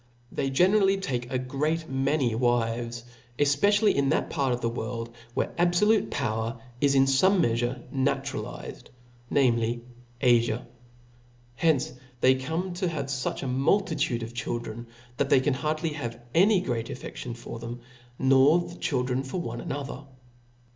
They generally take a great many wives, efpecially in that part of the world where abfolute power is in fome meafure na turalized, namely, Afia. Hence they come to have fuch a multitude of children, that they can hardly have any great affeftion for them, nor the children for one another.